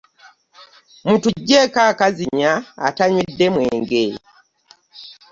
Mutuggyeeko akazinya atanywedde mwenge.